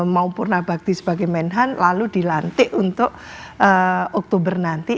mau purna bakti sebagai menhan lalu dilantik untuk oktober nanti